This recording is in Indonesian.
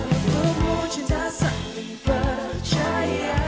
untukmu cinta saling percaya